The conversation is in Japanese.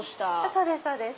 そうですそうです。